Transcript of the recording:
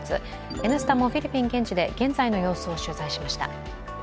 「Ｎスタ」もフィリピン現地で現在の様子を取材しました。